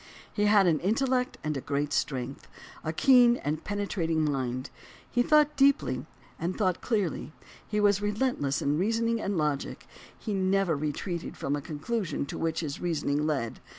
He had an intellect of great strength, a keen and penetrating mind; he thought deeply and he thought clearly; he was relentless in reasoning and logic; he never retreated from a con clusion to which his reasoning led.